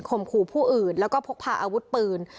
มขู่ผู้อื่นแล้วก็พกพาอาวุธปืน